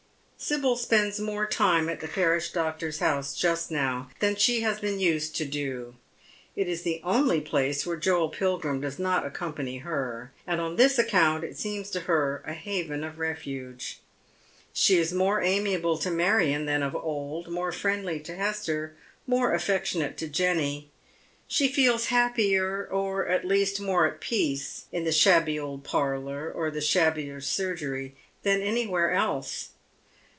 Sibyl spends more time at the parish doctor's house just now than she has been used to do. It is the only place where Joel Pilgrim does not accompany her, and on this account it seems to her a haven of refuge. She is more amiable to Marion than of old, more friendly to Ilester, more affectionate to Jenny. She feels happier — or at least more at peace — in the shabby old parlour, or the shabbier surgerj', than anywhere else.